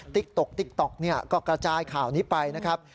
ตุ๊กก็กระจายข่าวนี้ไปนะครับ